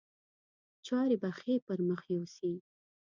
چارې به ښې پر مخ یوسي.